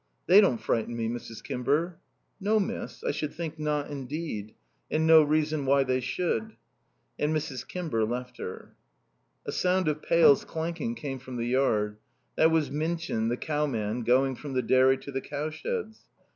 "They don't frighten me, Mrs. Kimber." "No, miss. I should think not indeed. And no reason why they should." And Mrs. Kimber left her. A sound of pails clanking came from the yard. That was Minchin, the cow man, going from the dairy to the cow sheds.